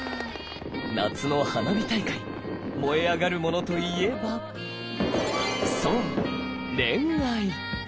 夏の花火大会燃え上がるものといえばそう恋愛！